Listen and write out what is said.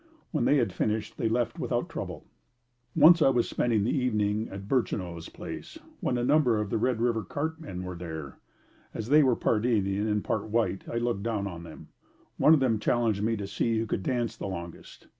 When they had finished, they left without trouble. Once I was spending the evening at Burchineau's place when a number of the Red River cart men were there. As they were part Indian and part white, I looked down on them. One of them challenged me to see who could dance the longest.